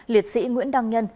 bốn liệt sĩ nguyễn đăng nhân